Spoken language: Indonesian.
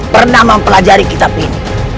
pernah mempelajari kitab ini